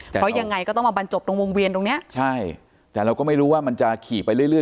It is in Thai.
เพราะยังไงก็ต้องมาบรรจบตรงวงเวียนตรงเนี้ยใช่แต่เราก็ไม่รู้ว่ามันจะขี่ไปเรื่อย